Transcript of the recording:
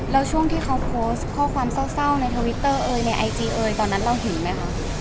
แล้วช่วงที่เขาโพสต์ข้อความเศร้าในทวิตเตอร์เอยในไอจีเอยตอนนั้นเราเห็นไหมคะ